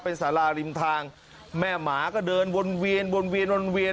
เป็นสาราริมทางแม่หมาก็เดินวนเวียนวนเวียนวนเวียน